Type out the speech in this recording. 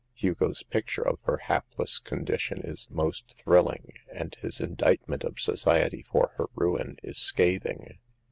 Hugo's picture of her hapless con dition is most thrilling, and his indictment of society for her ruin is scathing.